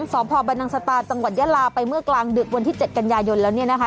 สบบสตรจังหวันยลาไปเมื่อกลางดึกวันที่๗กันยายนแล้ว